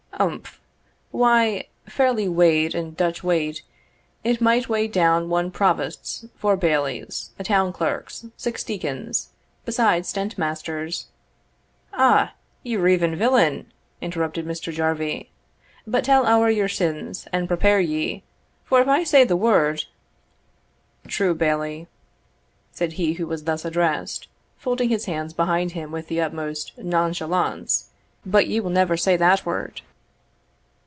"Umph! why, fairly weighed, and Dutch weight, it might weigh down one provost's, four bailies', a town clerk's, six deacons', besides stent masters'" "Ah, ye reiving villain!" interrupted Mr. Jarvie. "But tell ower your sins, and prepare ye, for if I say the word" "True, Bailie," said he who was thus addressed, folding his hands behind him with the utmost nonchalance, "but ye will never say that word."